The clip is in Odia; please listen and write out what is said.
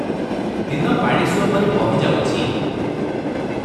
ଦିନ ପାଣସୁଅ ପରି ବହି ଯାଉଛି ।